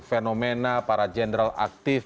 fenomena para jenderal aktif